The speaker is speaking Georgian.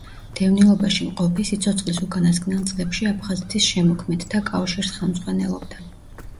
დევნილობაში მყოფი, სიცოცხლის უკანასკნელ წლებში აფხაზეთის შემოქმედთა კავშირს ხელმძღვანელობდა.